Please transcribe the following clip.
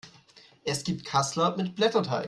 Es gibt Kassler mit Blätterteig.